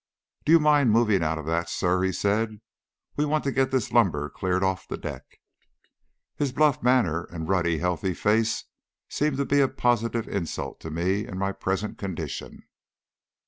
"Do you mind moving out of that, sir?" he said. "We want to get this lumber cleared off the deck." His bluff manner and ruddy healthy face seemed to be a positive insult to me in my present condition.